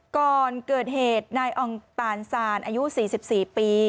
ก่อนเกิดเหตุนายอองตานซานอายุ๔๔ปี